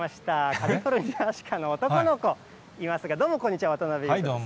カリフォルニアアシカの男の子、いますが、どうもこんにちは、渡辺裕太です。